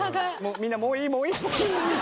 みんな「もういいもういい」。